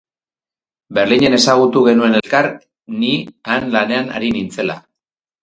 Berlinen ezagutu genuen elkar, ni han lanean ari nintzela.